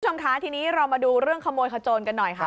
คุณผู้ชมคะทีนี้เรามาดูเรื่องขโมยขโจนกันหน่อยค่ะ